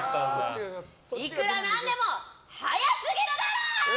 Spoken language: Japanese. いくらなんでも早すぎるだろー！